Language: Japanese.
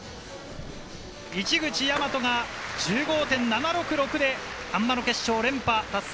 市口大和が１５．７６６であん馬の決勝、連覇達成。